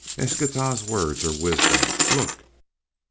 Eschtah's words are wisdom. Look!"